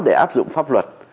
để áp dụng pháp luật